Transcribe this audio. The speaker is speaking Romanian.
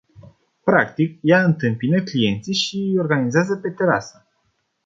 Practic, ea întâmpina clienții și îi organiza pe terasă.